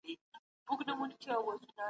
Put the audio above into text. مرتد هم د ژوند له حق څخه بې برخې کېدای سي.